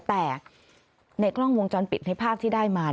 แต่ในกล้องวงจรปิดในภาพที่ได้มา